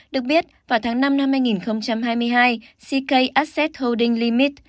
được biết vào tháng năm năm hai nghìn hai mươi hai ck asset holding limit